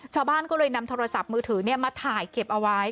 ชาวบ้านก็เลยนำโทรศัพท์มือถือมาถ่ายเก็บเอาไว้